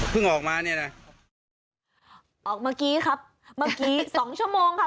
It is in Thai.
ออกมาเนี่ยนะออกเมื่อกี้ครับเมื่อกี้สองชั่วโมงค่ะ